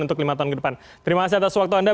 untuk lima tahun ke depan terima kasih atas waktu anda